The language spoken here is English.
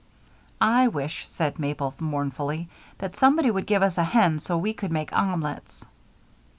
"I wish," said Mabel, mournfully, "that somebody would give us a hen, so we could make omelets."